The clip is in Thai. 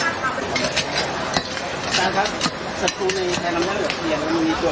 อาหารโหดความฟ้องโหดกุ้งก็มาได้อย่างนี้ครับ